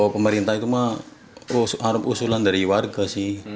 pemerintah itu mah usulan dari warga sih